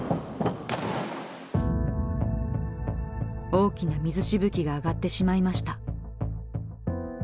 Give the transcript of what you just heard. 大きな水しぶきが上がってしまいました。